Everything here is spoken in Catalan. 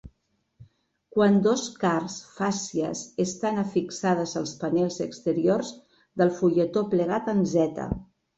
Quan dos card fàscies estan afixades als panels exteriors del fulletó plegat en z.